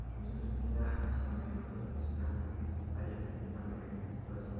La concentración de la acción en los dos personajes principales es notablemente exitosa.